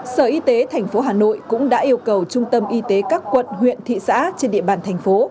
sở y tế thành phố hà nội cũng đã yêu cầu trung tâm y tế các quận huyện thị xã trên địa bàn thành phố